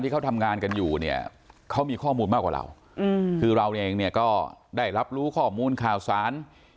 ก็มีข้อมูลมากกว่าเราคือเราเองก็ได้รับรู้ข้อมูลข่าวสาร